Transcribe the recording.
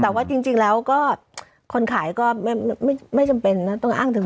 แต่ว่าจริงแล้วก็คนขายก็ไม่จำเป็นนะต้องอ้างถึง